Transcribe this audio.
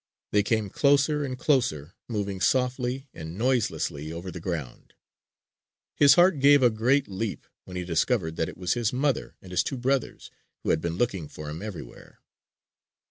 They came closer and closer, moving softly and noiselessly over the ground. His heart gave a great leap when he discovered that it was his mother and his two brothers, who had been looking for him everywhere.